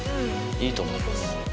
いいと思います。